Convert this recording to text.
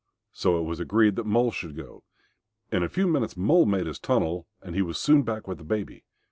So it was agreed that Mole should go. In a few minutes Mole made his tunnel, and he was soon back with the baby.